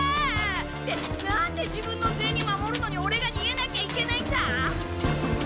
ってなんで自分のゼニ守るのにオレがにげなきゃいけないんだ？